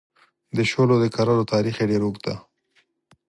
د شولو د کرلو تاریخ یې ډېر اوږد دی.